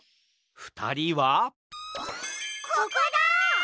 ふたりはここだ！